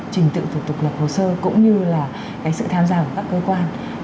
trình tựu thủ tục lập hồ sơ cũng như là cái sự tham gia của các cơ quan